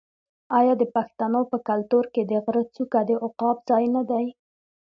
آیا د پښتنو په کلتور کې د غره څوکه د عقاب ځای نه دی؟